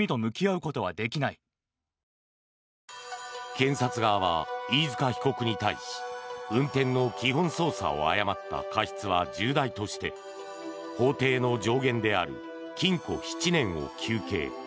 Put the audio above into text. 検察側は飯塚被告に対し運転の基本操作を誤った過失は重大として法定の上限である禁錮７年を求刑。